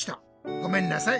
ごめんなさい。